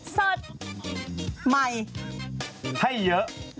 สดใหม่ให้เยอะ